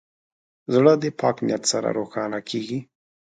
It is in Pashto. زړه د پاک نیت سره روښانه کېږي.